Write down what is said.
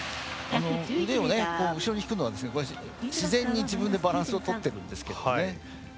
腕を後ろに引くのは自然に自分でバランスをとってるんですけどね。